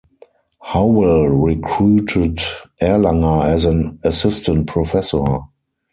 Howell recruited Erlanger as an Assistant Professor.